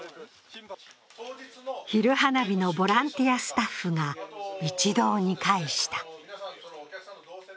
昼花火のボランティアスタッフが一堂に会した。